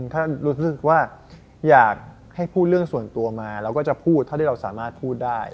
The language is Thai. ถ้ารู้สึกว่าอยากให้พูดเรื่องส่วนตัวมาเราก็จะพูดเท่าที่เราสามารถพูดได้